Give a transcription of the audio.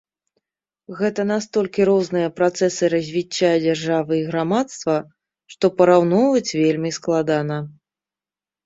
Гэта настолькі розныя працэсы развіцця дзяржавы і грамадства, што параўноўваць вельмі складана.